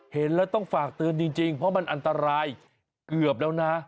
เห็นแล้วต้องฝากเตือนจริงเพราะมันอันตรายเกือบแล้วนะ